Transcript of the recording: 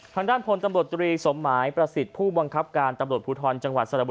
ทางด้านผลตำรวจตรูลี่สมตม์ไมค์ประสิทธิ์ผู้บังคับการตำรวจผู้ทร